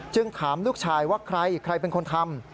ถามลูกชายว่าใครใครเป็นคนทำ